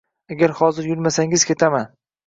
Agar hozir yurmasangiz ketaman.